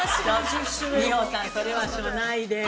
◆美穂さん、それはないでーす。